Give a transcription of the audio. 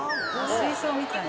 水槽みたいな。